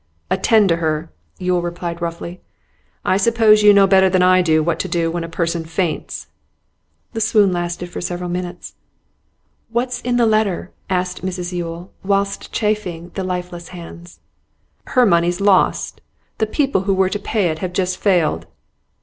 'Attend to her,' Yule replied roughly. 'I suppose you know better than I do what to do when a person faints.' The swoon lasted for several minutes. 'What's in the letter?' asked Mrs Yule whilst chafing the lifeless hands. 'Her money's lost. The people who were to pay it have just failed.